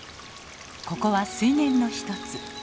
ここは水源の一つ。